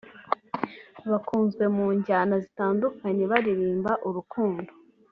bakunzwe munjyana zitandukanye baririmba urukundo